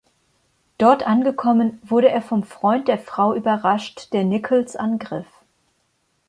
Dort angekommen wurde er vom Freund der Frau überrascht, der Nichols angriff.